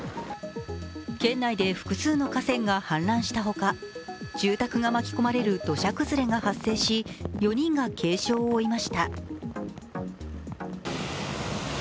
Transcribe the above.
県内で複数の河川が氾濫したほか住宅が巻き込まれる土砂崩れが発生し、４人が軽傷を負いました。